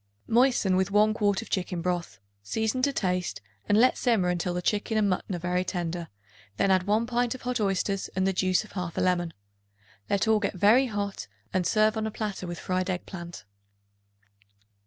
Moisten with 1 quart of chicken broth, season to taste and let simmer until the chicken and mutton are very tender; then add 1 pint of hot oysters and the juice of 1/2 lemon. Let all get very hot and serve on a platter with fried egg plant.